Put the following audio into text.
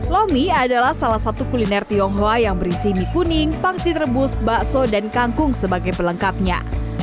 lomi adalah salah satu kuliner tionghoa yang berisi mie kuning pangsit rebus bakso dan kangkung sebagai pelengkapnya